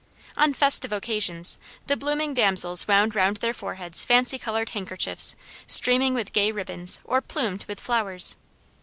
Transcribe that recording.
On festive occasions, the blooming damsels wound round their foreheads fancy colored handkerchiefs, streaming with gay ribbons, or plumed with flowers.